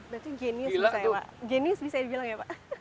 berarti jenius bisa dibilang ya pak